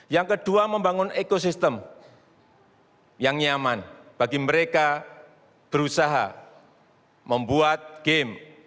yang kedua membangun ekosistem yang nyaman bagi mereka berusaha membuat game